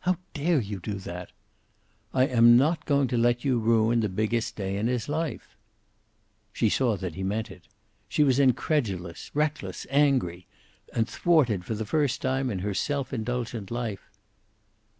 "How dare you do that?" "I am not going to let you ruin the biggest day in his life." She saw that he meant it. She was incredulous, reckless, angry, and thwarted for the first time in her self indulgent life.